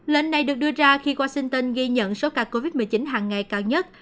lệnh này được đưa ra khi washington ghi nhận số ca covid một mươi chín hàng ngày cao nhất